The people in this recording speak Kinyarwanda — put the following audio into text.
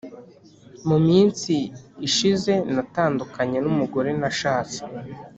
muminsi ishize natandukanye numugore nashatse